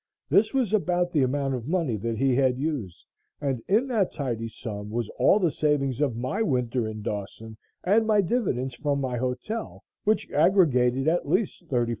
This was about the amount of money that he used and in that tidy sum was all the savings of my winter in Dawson and my dividends from my hotel, which aggregated at least $35,000.